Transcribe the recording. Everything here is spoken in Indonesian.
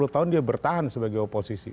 sepuluh tahun dia bertahan sebagai oposisi